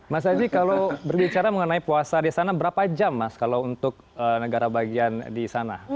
mas aji kalau berbicara mengenai puasa di sana berapa jam mas kalau untuk negara bagian di sana